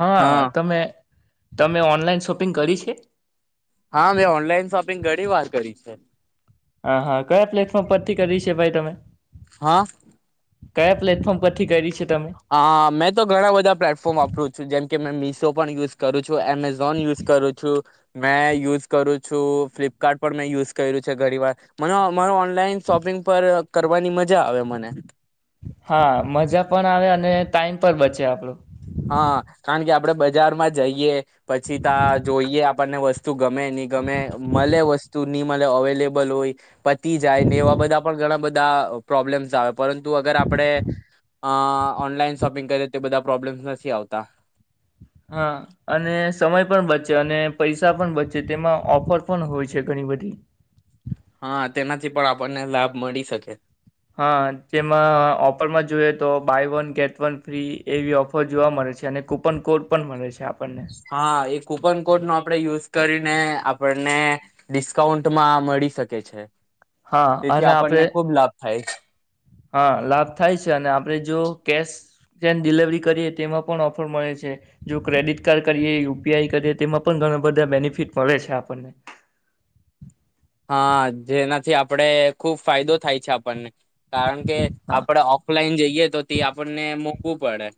હા તમે તમે ઓનલાઈન શોપિંગ કરી છે? હા મેં ઓનલાઈન શોપિંગ ઘણી વાર કરી છે. હા હા કયા પ્લેટફોર્મ પરથી કરી છે ભાઈ તમે? હા. કયા પ્લેટફોર્મ પરથી કરી છે? તમે હ મેં તો ઘણા બધા પ્લેટફોર્મ આપરું છું જેમ કે મેં મીશો પણ યુઝ કરું એમેઝોન યુઝ કરું છું. મેં યુઝ કરું છું ફ્લિપકાર્ટ પણ મેં યુઝ કર્યું છે ઘણી વાર મ મારો ઓન નલાઇન શોપિંગ પર કરવાની મજા આવે મને. હા મજા પણ આવે અને ટાઈમ પર બચે આપડું. હા કારણ કે આપડે બજારમાં જઈએ પછી ત જોઈએ આપણને વસ્તુ ગમે નહી ગમે મળે વસ્તુ નની મળે અવેલેબલ હોય. પતી જાય ને એવા બધા પણ ઘણા બધા પ્રોબ્લેમ આવે. પરંતુ અગર આપણે અ ઓનલાઈન શોપિંગ કરે તે બધા પ્રોબ્લેમ્સ નથી નથી આવતા. હા અને સમય પણ બચે અને પૈસા પણ બચે તેમાં ઓફર પણ હોય છે ઘણી બધી. હા તેનાથી પણ આપણને લાભ મળી શકે. હા તેમાં ઓફરમાં જોઈયએ તો buy one get one free એવી ઓફર જોવા મળે છે અને કુપન કોડ પણ મળે છે આપણને. હા એ કૂપન કોડ નો આપણે યુઝ કરીને આપણને ડિસ્કાઉન્ટમાં મળી શકે છે. હા તેથી અને આપડે આપણને ખુબ લાભ થાય છે હા લાભ થાય છે અને આપડે જો કેશ એન્ડ ડિલવરી કરીએ તેમાં પણ ઓફર મળે છે જો ક્રેડિટ કાર્ડ કરીએ યુપીઆઈ કરીએ તેમાં પણ ઘણા બધા બેનિફિટ મળે છે આપણને. હા જેનાથી આપણેે ખુબ ફાયદો થાય છે આપણને. કારણ કે હા આપડ ઓફલાઈન જઈએ તો તે આપણને મોગવું પડે.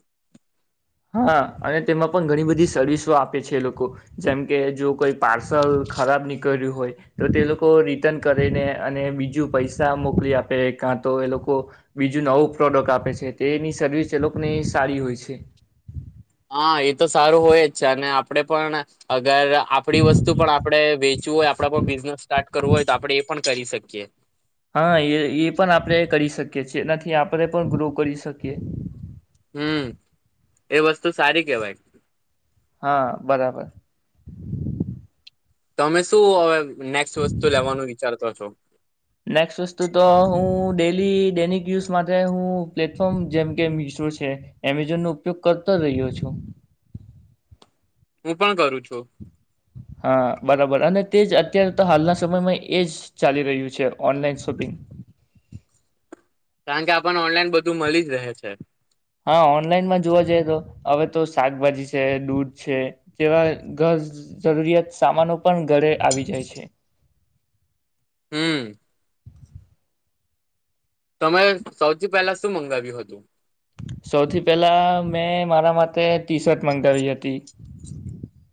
હા અને તેમાં પણ ઘણી બધી સર્વિસો આપે છે લોકો જેમ કે જો કોઈ પાર્સલ ખરાબ નીકળ્યું હોય તો તે લોકો રિટર્ન કરીને અને બીજું પૈસા મોકલી આપે કાં તો એ લોકો બીજું નવું પ્રોડક્ટ આપે છે તેની સર્વિસ એ લોકોની સારી હોય છે હા એ તો સારું હોય જ છે અને આપડે પણ અગર આપણી વસ્તુ પણ આપડે વેચી હોય આપ પણ બિઝનેસ સ્ટાર્ટ કરવું હોય તો આપડે એ પણ કરી શકીએ હા એ એ પણ આપણે કરી શકીએ છેનાથી આપણે પણ ગ્રો કરી શકીએ હમ એ વસ્તુ સારી કેવાય હા બરાબર તમે શું હવે નેક્ વસ્તુ લેવાનું વિચારતો છો નેક્સ્ટ વસ્તુ તો હું ડેલી ડેનિક યુઝ માટે હું પ્લેટફોર્મ જેમકે મિશો છે એમેઝોનનોો ઉપયોગ કરતો રહ્યો છું હું પણ કરું છું હા બરાબર અને તે જ અત્યારે તો હાલના સમયમાં એજ ચાલી રહ્યું છે ઓનલાઈન શોપિંગ કારણ કે આપને ઓનલાઈન બધું મળી જ રહે છે હા ઓનલાઈનમાં જોવા જઈએ તો હવે તો શાકભાજી છે દૂધ છે તેવા ઘર જરૂરિયાત સામાનો પણ ઘરે આવી જાય છે હમ તમે સૌથી પહેલા શું મંગાવ્યું હતું સૌથી પેલા મેં મારા માટે ટી શર્ટ મગાવી હતી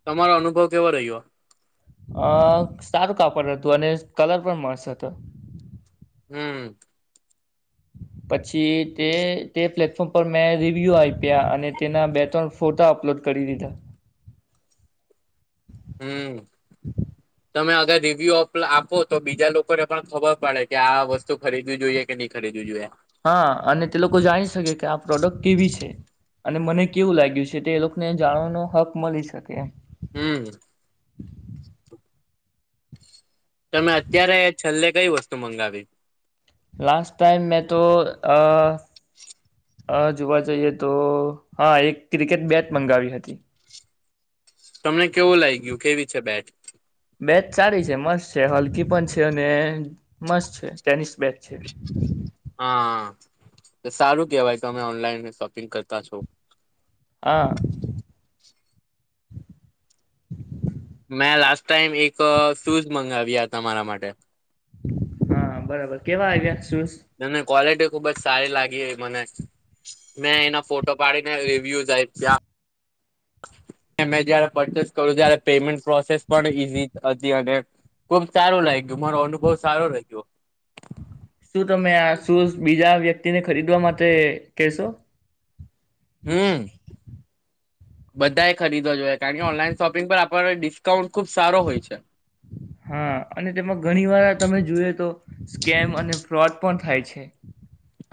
તમારો અનુભવ કેવો રહ્યો અ સારું કાપડ હતું અને કલર પણ મસ્ત હતો હમ પછી તે તે પ્લેટફોર્મ પર મેં રિવ્યુ આપ્યા અને તેના બે ત્રણ ફોટા અપલોડ કરી દીધા હમ તમે અગર રિવ્યુ આપો તો બીજા લોકોને પણ ખબર પડે કે આ વસ્તુ ખરીદવી જોઈએ કે નહી ખરીદવી જોઈએ હા અને તે લોકો જાણી શકે કે આ પ્રોડક્ટ કેવી છે અને મને કેવું લાગ્યું છે તે એ લોકોને જાણવાનો હક મળી શકે હમ તમે અત્યારે છેલ્લે કઈ વસ્તુ મંગાવી લાસ્ટ ટાઈમ મેં તો અ જોવા જઈએ તો હા એક ક્રિકેટ બેચ મંગાવી હતી તમને કેવું લાગ ગયું કેવી છે બેટ બેચ સારી છે મસ્ત છે હલકી પણ છે અને મસ્ત છે ટેનિસ બેચ છે હા સારું કેવાય તો તમે ઓનલાઈન શોપિંગ કરતા છો હા મેં લાસ્ટ ટાઈમ એક શૂઝ મંગાવ્યા તમારા માટે હા બરાબર કેવા આવ્યા શૂઝ અને ક્વલિટી ખુબ જ સારી લાગી મને, મેં એના ફોટો પાડીને રિવ્યુઝ આપ્યા. મેં જયારે પરચેસ કરું ત્યારે પેમેન્ટ પ્રોસેસ પણ ઈઝી હતી અને ખુબ સારું લાગ્યું, મારો અનુભવ સારો લાગ્યો. શું તમે આ શું બીજા વ્યક્તિ વ્યક્તિને ખરીદવા માટે કેશો? હમમ. બધા એ ખરીદ ખરીદવા જોઈયે કારણકે ઓનલાઈન શોપિંગ પર આપ પર ડિસ્કાઉન્ટ ખુબ સારો હોય છે હા અને તેમાં ઘણી વાર તમે જોઈએ તો સ્કેમ અને ફ્રોડ પણ થાય છે.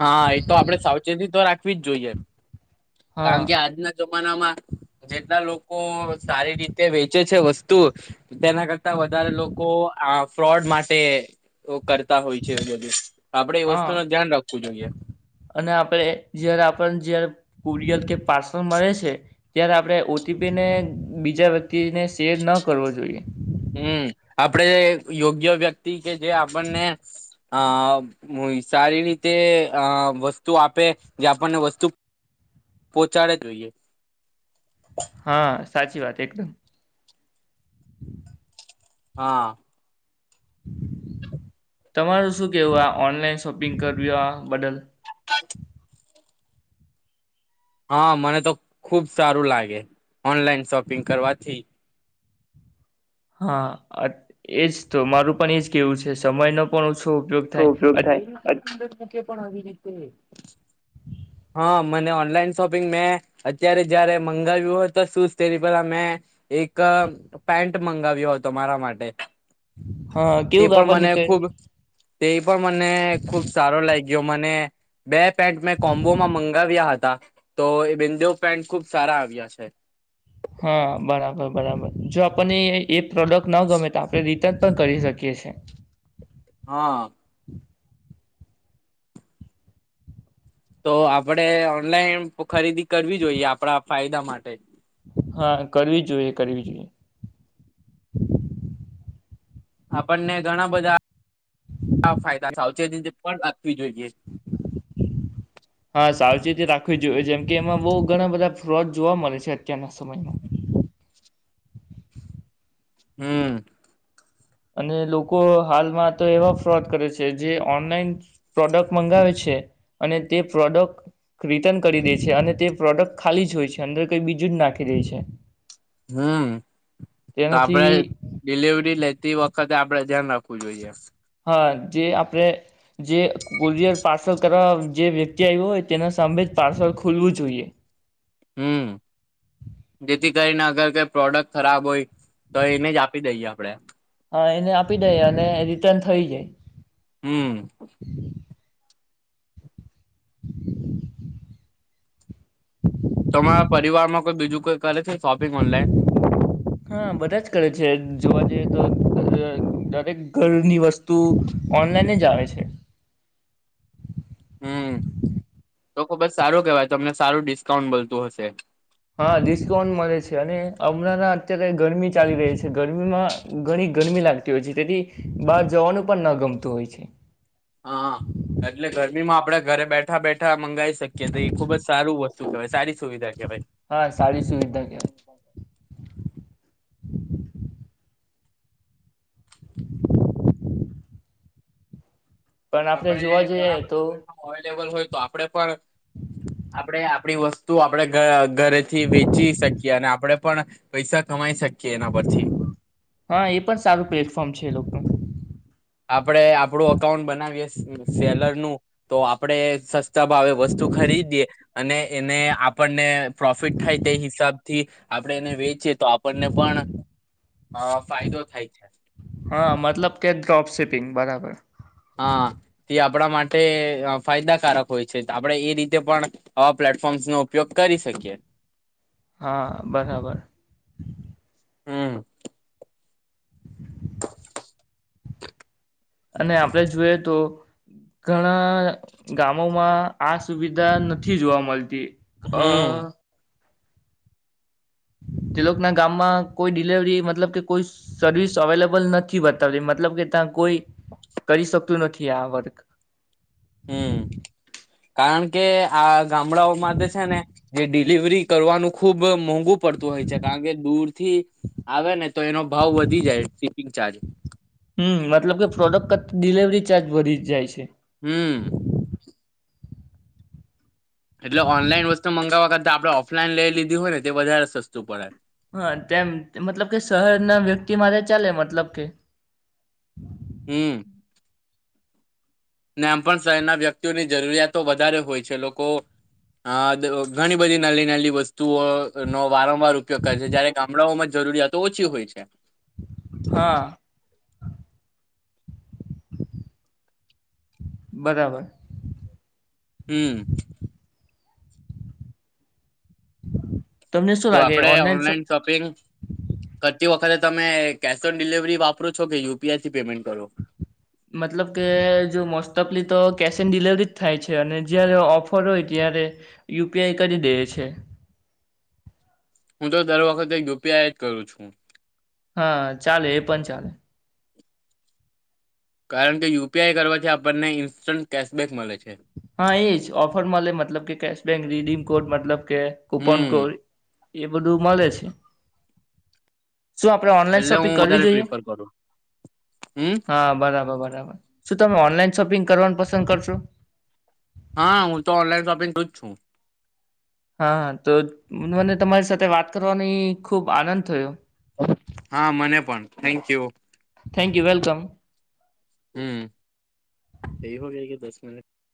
હા એ તો આપડે સાવચેતી તો રાખ રાખવી જ જોઈએ. કારણ હા કે આજના જમાનામાં જેટલા લોકો સારી રીતે વેચે છે વસ્તુ વસ્તુ તેના કરતા વધારે લોકો આ ફ્રોડ માટે અ કરતા હોય છે બધુ આપડે એ વસ્તુ હા નું ધ્યાન રાખવું જોઈએ. કુરિયલ કે પાર્સલ મળે છે ત્યારે આપણે ઓ ટી પીને બીજા વ્યક્તિને શેર ન કરવો જોઈએ. હમમ. આપણેે યોગ્ય વ્યક્તિ કે જે આપણને અ સારી રીતે અ વસ્તુ આપે જે આપણને વસ્તુ પહોચાડે જોઈએ. હા‌ સાચી વાત એકદમ. [inaudible] હા. તમારું શું કહેવું આ ઓનલાઈન શોપિંગ કર્યા બદલ? ખત હા મને તો ખુબ સારું લાગે ઓનલાઈન શોપિંગ કરવાથી હા અત એજ તો મારું પણ એજ કેવું છે સમય નો ઓછો ઉપયોગ થાય અત્યા કે પણ આવી રીતે હા, મને ઓનલાઈન શોપિંગ મેં અત્યારે જયારે મંગાવ્યું હતું સૂઝ તેની પેલા મેં એક પેન્ટ મંગાવ્યો હતો મારા માટે હા તે કેવું પણ કાપડ મને નીકળે ખુબ તે પણ મને ખુબ સારો લાય જો મને બે પેન્ટ કોમ્બોમાં મંગાવ્યા હતા. તો એ બેદો ઓ પેન્ટ ખુબ સારા આવ્યા છે. હા બરાબર બરાબર. જો આપણને એ પ્રોડક્ટ ન ગમે તો આપણે રીટ રિટર્ન પણ કરી શકીએ છીએ. હા તો આપડે ઓનલાઈન ખરીદી કરવી જોઈએ આપણા ફાયદા માટે હા કરવી જોઈએ કરવી જોઈએ. આપણને ઘણા બધા ફાયદા થાવ તેની જે પણ [unintelligible] હા સાવચેતી રાખવી જોઈએ જેમ કે એમાં બઉ ઘણા બધા ફ્રોજ જોવા મળે છે અત્યારના સમયમાં [inaudible] અને લોકો હાલમાં તો એવા ફ્રોડ કરે છે જે ઓનલાઈન પ્રોડક્ટ મંગાવે છે અને તે પ્રોડક્ટ રિટર્ન કરી દે છે અને તે પ્રોડક્ટ ખાલી જ હોય છે અંદર કઈ બીજું જ નાખી દે છે હમ તો આપડે તેનાથી ડિલિવરી લે તે વખતે આપડે ધ્યાન રાખવું જોઈએ હા જે આપણેે જે કોરિયર પાર્સલ કરવા જે વ્યક્તિ આવ્યો હોય તેના સામે જ પાર્સલ ખોલવું જોઈએ હમ જેથી કરીને અગર કઈ પ્રોડક્ટ ખરાબ હોય તો એને જ આપી દઈએ આપડણે હા એને આપી દઈ અને રિટર્ન થઈ જાય [inaudible] તમારા પરિવારમાં કોઈ બીજું કોઈ કરે છે શોપિંગ ઓનલાઈન હા બધા જ કરે છે જોવા જઈએ તો દરેક ઘરની વસ્તુ ઓનલાઈન જ આવે છે હમ તો ખુબ જ સારું કેવાય તમને સારું ડિસ્કાઉન્ટ મળતું હશે હા ડિસ્કાઉન્ટ મળે છે અને હમણાં અત્યારે ગરમી ચાલી રહી છે ગરમીમાં ઘણી ગરમી લાગતી હોય છે તેથી બહાર જવાનું પણ ન ગમતું હોય છે હા એટલે ગરમીમાં આપણેે ઘરે બેઠા બેઠા મંગાઈ શકીએ તો એ ખુબ જ સારું વસ્તુ શ સારી સુવિધા કહેવાય હા સારી સુવિધા કેવાય [inaudible] પણ આપણે આપડે જોવા જઈએ ઘણા બધા તો પ્લેટફોર્મ અવેલેબલ હોય તો આપડે પણ આપડે આપડી વસ્તુ તું આપડે ઘ ઘરેથી વેચી શકીએ અને આપડણે પણ પૈસા કમાઈ શકીએ એના પરથી હા એ પણ સારું પ્લેટફોર્મ છે એ લોકો આપડે આપડું અકાઉન્ટ બને સેલર નું તો આપડે તબાવે વસ્તુ ખરીદીે અને એને આપણને પ્રોફિટ થાય તે હિસાબ થી આપણે એને વેચીએ તો આપણને પણ અ ફાયદો થાય છે પિંક બરાબર હા તે આપ આપણા માટે ફાયદાકારક હોય છે. તો આપણે એ રીતે પણ આવા પ્લેટફોર્મ્સનો ઉપયોગ કરી શકીએ. હા બરાબર હમ [inaudible] અને આપણે જોઈએ તો ઘણા ગામોમાં આ સુવિધા નથી જોવા મલતી. અ હમ તે લોકના ગામમાં કોઈ ડિલવરી મતલબ કે કોઈ સર્વિસ અવેલેબલ નથી બતાવતી. મતલબ કે ત્યાં કોઈ કરી શકતું નથી આ વર્ક હમ કારણ કે આ ગામડાઓમાં તો છે ને જે ડિલિવરી કરવાનું ખુબ મોંઘ ઘું પડતું હોય છે. કારણ કે દૂરથી આવે ને તો એનો ભાવ વધી જાય. શિપિંગ ચાર્જ ડીલીવરી ચાર્જ વધી જાય છે. હમ એટલે ઓનલાઈન વસ્તુ મંગાવવા કર તા આપણે ઓફલાઈન લઈ લીધી હોય ને તે વધારે સસ્તું પડે. હા તેમ મતલબ કે શહેરના વ્યક્તિ માટે ચાલે મતલબ કે હમ ને આમ પણ શહેરના વ્યક્તિઓની જરૂરિયાતો વધારે હોય છે. એ લોકો અ ઘણી બધી નાલી નાલી વસ્તુઓનો વારંવાર ઉપયોગ કરે છે. જ્યારે ગામડાઓમાં જરૂરિયાતો ઓછી હોય છે. હા બરાબર હમ [inaudible] તો લાગે આપણેે સ ઓનલાઈન શોપિંગ કરતી વખતે તમે કેશ ઓન ડિલિવરી વાપરો છો કે યુપીઆઈ થી પેમેન્ટ કરો? મતલબ કે જો મોસ્ટ ઓફલી તો કેશ ઓન ડિલવરી જ થાય છે. અને જયારે ઓફર હોય ત્યારે યુપીઆઈ કરી દઈએ છે. હું તો દર વખતે યુપીઆઈ જ કરું છું. હા ચાલે એ પણ ચાલે. કારણ કે યુપીઆઈ કરવાથી આપણને ઈન્સ્ટન્ટ કેશબેક મલે છે. હા એ જ ઓફર મલે મતલબ કે કેશબેક, રિડીમ કોડ મતલબ કે કુપન હમ કોઈ એ બધું મલે છે. શું આપણે ઓનલાઈન એટલે હું શોપિંગ કરવી વધારે જોઈએ? પ્રિફર કરું હમ હા બરાબર બરાબર શું તમે ઓનલાઈન શોપિંગ કરવાનું પસંદ કરશો? હા હું તો ઓનલાઈન શોપિંગ કરું જ છું. હા તો મને તમારી સાથે વાત કરવાની ખુબ આનંદ થયો. હા મને પણ થેન્કયુ થેન્ક યુ વેલકમ હમ એ હો ગયા કે દસ [inaudible]